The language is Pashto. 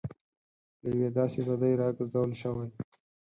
له یوې داسې بدۍ راګرځول شوي.